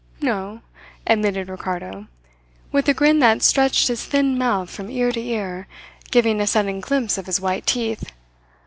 "No," admitted Ricardo, with a grin that stretched his thin mouth from ear to ear, giving a sudden glimpse of his white teeth.